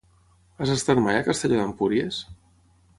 Has estat mai a Castelló d'Empúries?